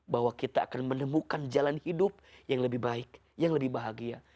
bahwa kita akan menemukan jalan hidup yang lebih baik yang lebih bahagia